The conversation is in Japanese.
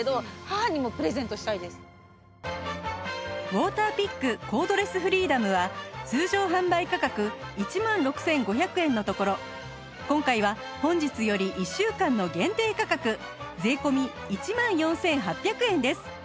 ウォーターピックコードレスフリーダムは通常販売価格１万６５００円のところ今回は本日より１週間の限定価格税込１万４８００円です